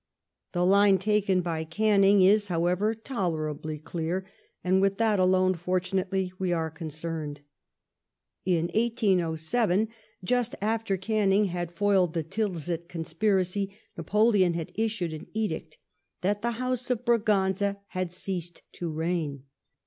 ^ The line taken by Canning is, however, tolerably clear, and with that alone, fortunately, we are concerned. In 1807, just after Canning had foiled the Tilsit conspiracy. Napoleon had issued an edict that the *' House of Braganza had ceased to reign